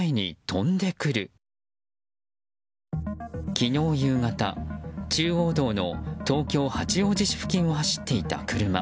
昨日夕方、中央道の東京・八王子市付近を走っていた車。